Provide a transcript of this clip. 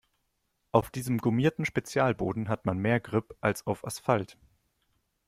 Auf diesem gummierten Spezialboden hat man mehr Grip als auf Asphalt.